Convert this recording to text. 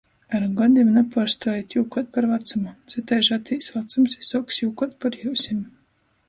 Ar godim napuorstuojit jūkuot par vacumu, cytaiž atīs vacums i suoks jūkuot par jiusim...